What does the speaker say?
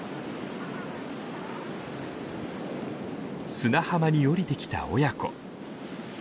砂浜に下りてきた親子。